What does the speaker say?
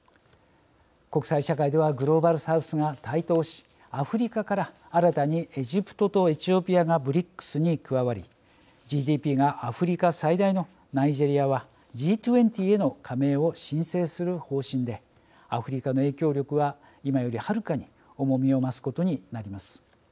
国際社会ではグローバル・サウスが台頭しアフリカから新たにエジプトとエチオピアがＢＲＩＣＳに加わりＧＤＰがアフリカ最大のナイジェリアはＧ２０への加盟を申請する方針でアフリカの影響力は今よりはるかに重みを増すことになります。